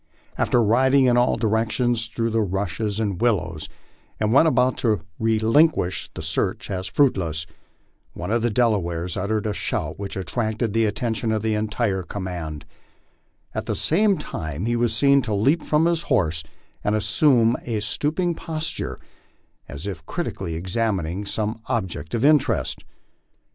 After rid ing in all directions through the rushes and willows, and when about to relinquish the search as fruitless, one of the Delawares uttered a shout which attracted the attention of the entire command ; at the same time he was seen to leap from his horse and assume a stooping posture, as if critically examining some ob ject of interest.